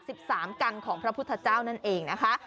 สิบสามกันของพระพุทธเจ้านั่นเองนะคะ